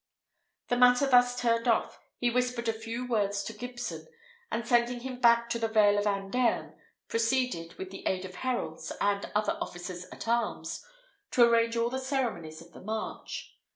The matter thus turned off, he whispered a few words to Gibson, and sending him back to the vale of Andern, proceeded, with the aid of heralds and other officers at arms, to arrange all the ceremonies of the march.